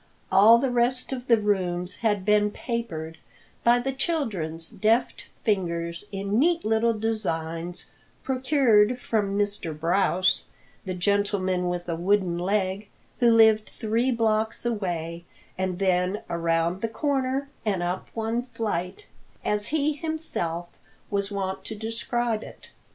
All the rest of the rooms had been papered by the children's deft fingers in neat little designs procured from Mr. Brouse, the gentleman with a wooden leg who lived three blocks away and then around the corner and up one flight, as he himself was wont to describe it.